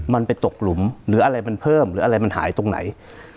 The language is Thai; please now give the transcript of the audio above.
มันไปตกหลุมหรืออะไรมันเพิ่มหรืออะไรมันหายตรงไหน